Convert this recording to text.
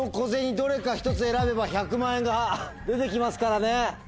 どれか１つ選べば１００万円が出て来ますからね。